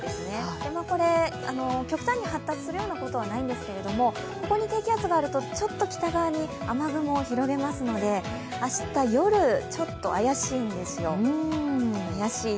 でもこれ、極端に発達するようなことはないんですが、ここに低気圧があると、ちょっと北側に雨雲が広げますので明日夜、ちょっと怪しいんですよ。